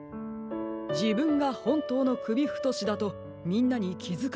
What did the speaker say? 「じぶんがほんとうのくびふとしだとみんなにきづかせてほしい」。